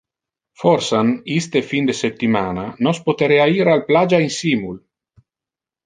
Forsan iste fin de septimana nos poterea ir al plagia insimul.